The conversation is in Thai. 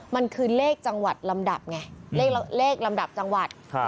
มันคือเลขจังหวัดลำดับไงเลขลำดับจังหวัด